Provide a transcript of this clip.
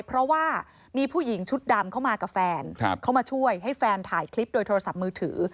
เพราะว่ามีผู้หญิงชุดดำเข้ามากับแฟนเข้ามาช่วยให้แฟนถ่ายคลิปโดยโทรศัพท์มือถือ